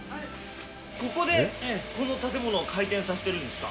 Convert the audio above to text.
ここでこの建物を回転させてるんですか？